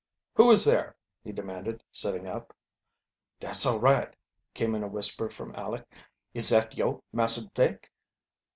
"Who is there?" he demanded, sitting up. "Dat's all right," came in a whisper from Aleck. "Is dat yo', Massah Dick?"